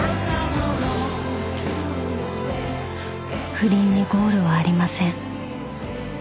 ［不倫にゴールはありません］